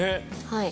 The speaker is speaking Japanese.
はい。